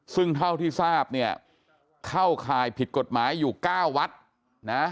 ซึ่งเท่าที่ทราบเนี่ยเข้าข่ายผิดกฎหมายอยู่๙วัดนะ